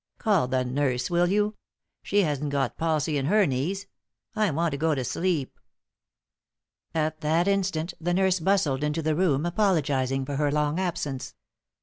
Call the nurse, will you? She hasn't got palsy in her knees. I want to go to sleep." At that instant the nurse bustled into the room, apologizing for her long absence.